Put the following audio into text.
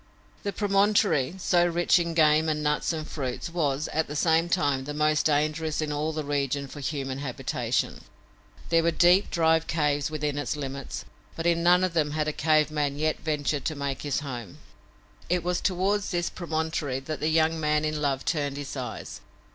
The promontory, so rich in game and nuts and fruits, was, at the same time, the most dangerous in all the region for human habitation. There were deep, dry caves within its limits, but in none of them had a cave man yet ventured to make his home. It was toward this promontory that the young man in love turned his eyes.